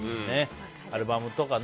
アルバムとかね。